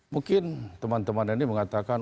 mungkin teman teman ini mengatakan